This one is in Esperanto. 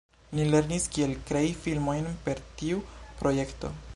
Ni lernis kiel krei filmojn per tiu projekto.